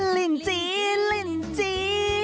ลินจี้ลินจี้